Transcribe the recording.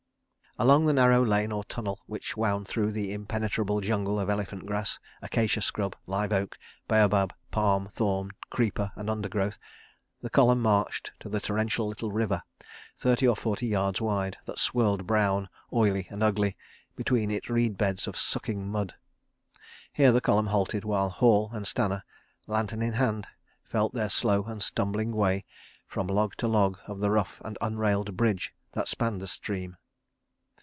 Along the narrow lane or tunnel which wound through the impenetrable jungle of elephant grass, acacia scrub, live oak, baobab, palm, thorn, creeper, and undergrowth, the column marched to the torrential little river, thirty or forty yards wide, that swirled brown, oily, and ugly, between its reed beds of sucking mud. Here the column halted while Hall and Stanner, lantern in hand, felt their slow and stumbling way from log to log of the rough and unrailed bridge that spanned the stream.